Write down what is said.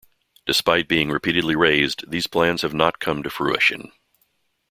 Despite being repeatedly raised, these plans have not come to fruition.